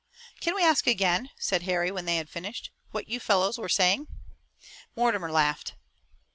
"Can we ask again," said Harry, when they had finished, "what you fellows were saying?" Mortimer laughed.